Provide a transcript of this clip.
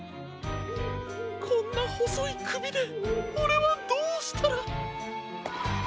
こんなほそいくびでオレはどうしたら。